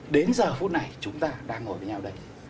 đến giờ phút này chúng ta đang ngồi với nhau đây